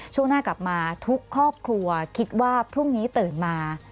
ช่วงหน้ากลับมาทุกครอบครัวคิดว่าพรุ่งนี้ตื่นมา